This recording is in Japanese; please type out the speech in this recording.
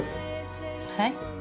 はい？